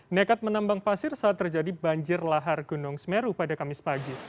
nekat menambang pasir saat terjadi banjir lahar gunung semeru pada kamis pagi